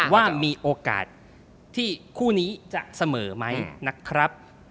ว่ามีโอกาสที่คู่นี้จะเสมอไหมนะครับ